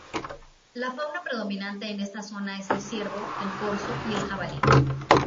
La fauna predominante en esta zona es el ciervo, el corzo y el jabalí.